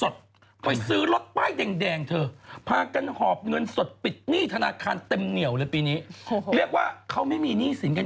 ทีเล่าข่าวของพี่ก่อนแล้วพี่ค่อยเขียน